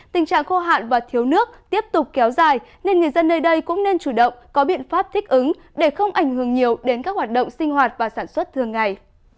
tình trạng khô hạn và thiếu nước tiếp tục kéo dài nên người dân nơi đây cũng nên chủ động có biện pháp thích ứng để không ảnh hưởng nhiều đến các hoạt động sinh hoạt và sản xuất thường ngày